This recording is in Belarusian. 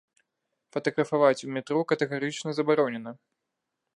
Фатаграфаваць у метро катэгарычна забаронена.